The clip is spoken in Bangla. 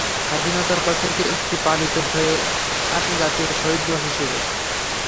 স্বাধীনতার পর থেকে এটি পালিত হয়ে আসছে জাতীয় শহীদ দিবস হিসেবে।